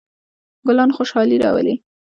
ګلان خوشحالي راولي.